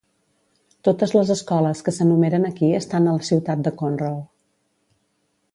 Totes les escoles que s'enumeren aquí estan a la ciutat de Conroe.